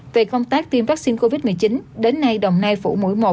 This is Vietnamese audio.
về công tác tiêm vaccine covid một mươi chín đến nay đồng nai phủ mũi một